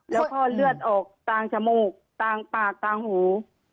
แล้วก็เลือดออกตามจมูกกลางปากกลางหู